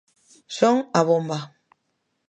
Son a bomba.